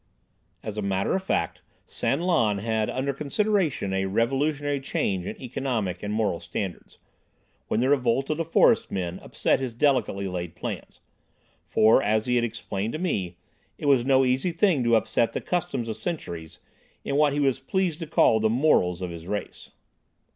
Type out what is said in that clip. As a matter of fact, San Lan had under consideration a revolutionary change in economic and moral standards, when the revolt of the forest men upset his delicately laid plans, for, as he had explained to me, it was no easy thing to upset the customs of centuries in what he was pleased to call the "morals" of his race.